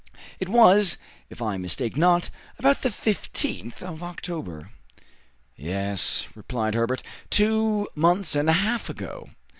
It was, if I mistake not, about the 15th of October." "Yes," replied Herbert, "two months and a half ago!"